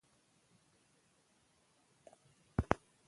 غازیان د خپل دین او وطن لپاره جګړه کوي.